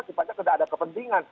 sifatnya tidak ada kepentingan